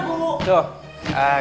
kita jadi terganggu